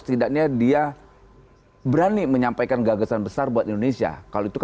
tidak pernah begitu